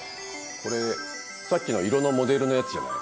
これさっきの色のモデルのやつじゃない？